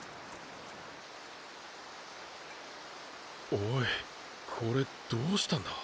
おいこれどうしたんだ？